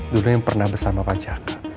dulu yang pernah bersama pacara